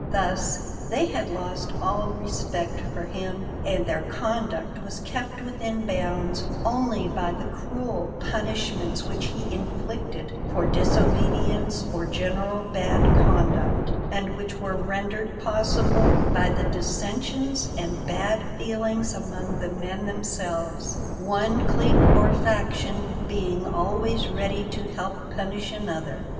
Thus they had lost all respect for him, and their conduct was kept within bounds only by the cruel punishments which he inflicted for disobedience or general bad conduct, and which were rendered possible by the dissensions and bad feelings among the men themselves; one clique or faction being always ready to help punish another.